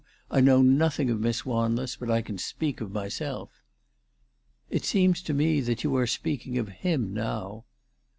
I know nothing of Miss Wanless, but I can speak of myself.' 7 "It seems to me that you are speaking of him now."